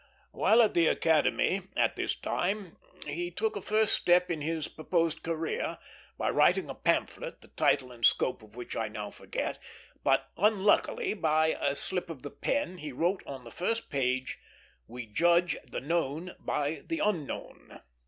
While at the Academy at this time, he took a first step in his proposed career by writing a pamphlet, the title and scope of which I now forget; but unluckily, by a slip of the pen, he wrote on the first page, "We judge the known by the unknown."